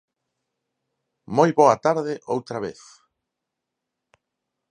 Moi boa tarde, outra vez.